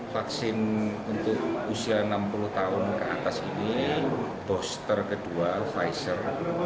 vaksin untuk usia enam puluh tahun ke atas ini booster kedua pfizer